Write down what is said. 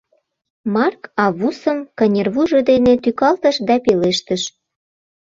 Марк Аввусым кынервуйжо дене тӱкалтыш да пелештыш: